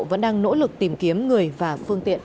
vẫn đang nỗ lực tìm kiếm người và phương tiện